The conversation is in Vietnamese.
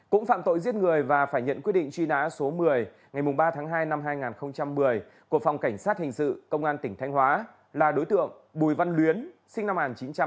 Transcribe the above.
cũng phạm tội giết người và phải nhận quyết định truy nã số một mươi ngày ba tháng hai năm hai nghìn một mươi của phòng cảnh sát hình sự công an tỉnh thanh hóa là đối tượng bùi văn luyến sinh năm một nghìn chín trăm tám mươi